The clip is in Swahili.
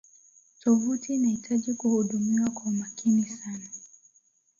tovuti inahitaji kuhudumiwa kwa umakini sana